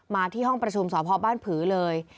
ที่ห้องประชุมสพบ้านผือเลย